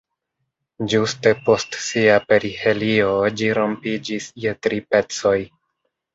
Ĝuste post sia perihelio ĝi rompiĝis je tri pecoj.